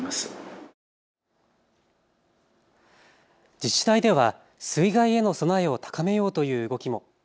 自治体では水害への備えを高めようという動きも。